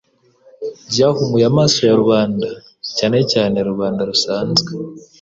byahumuye amaso ya rubanda, cyane cyane rubanda rusanzwe.